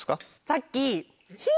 さっき。